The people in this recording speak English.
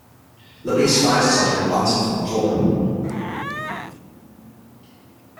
Labisse fires Toddy and bans him from the club.